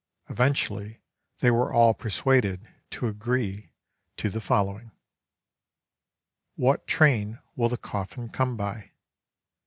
Eventually they were all persuaded to agree to the following: "What train will the coffin come by?